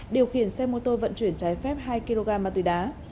điều khiển xe mô tô vận chuyển trái phép hai kg ma túy đá